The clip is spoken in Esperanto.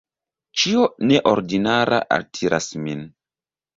Ĉio neordinara altiras min.